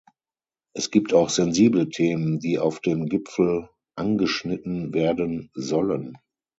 Es gibt auch sensible Themen, die auf dem Gipfel angeschnitten werden sollen.